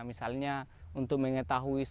misalnya untuk peralatan ini kita tidak punya perahu